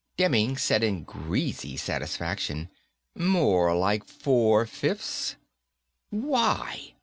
Demming said in greasy satisfaction, "More like four fifths." "Why?"